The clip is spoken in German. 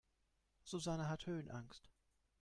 Susanne hat Höhenangst.